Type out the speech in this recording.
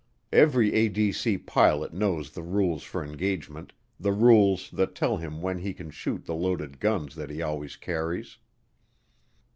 Every ADC pilot knows the rules for engagement, the rules that tell him when he can shoot the loaded guns that he always carries.